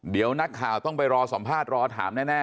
เดี๋ยวนักข่าวต้องไปรอสัมภาษณ์รอถามแน่